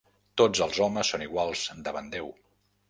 Tots els homes són iguals davant Déu.